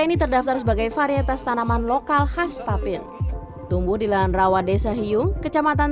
ini terdaftar sebagai varietas tanaman lokal khas tapir tumbuh di lahan rawa desa hiung kecamatan